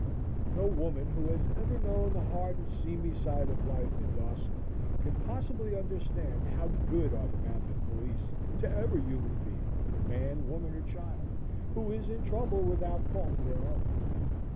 No woman who has never known the hard and seamy side of life in Dawson can possibly understand how good are the mounted police to every human being, man, woman or child, who is in trouble without fault of their own.